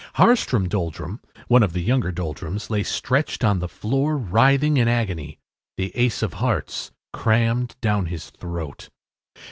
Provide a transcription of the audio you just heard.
Harstrum Doldrum, one of the younger Doldrums, lay stretched on the floor writhing in agony, the ace of hearts crammed down his throat.